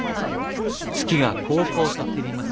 月がこうこうと照ります。